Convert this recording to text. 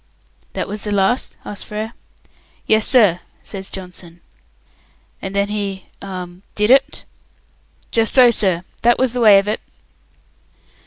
"That was the last?" asked Frere. "Yes, sir," says Johnson. "And then he hum did it?" "Just so, sir. That was the way of it."